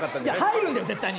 入るんだよ絶対に。